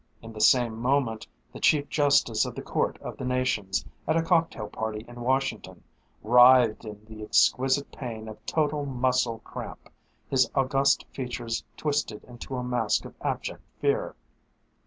In the same moment the Chief Justice of the Court of the Nations, at a cocktail party in Washington, writhed in the exquisite pain of total muscle cramp, his august features twisted into a mask of abject fear.